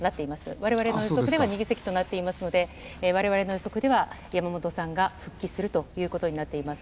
われわれの予測では２議席となっていますので、われわれの予測では、山本さんが復帰するということになっています。